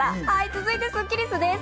続いてスッキりすです。